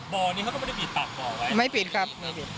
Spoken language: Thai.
บ่อนี้เขาก็ไม่ได้ปิดปากบ่อไว้ไม่ปิดครับ